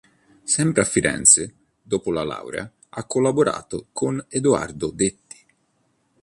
Sempre a Firenze, dopo la laurea, ha collaborato con Edoardo Detti.